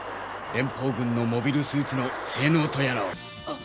連邦軍のモビルスーツの性能とやらを。